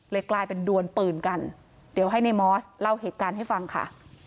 กลายเป็นดวนปืนกันเดี๋ยวให้ในมอสเล่าเหตุการณ์ให้ฟังค่ะ